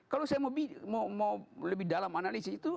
kalau saya mau lebih dalam analisis itu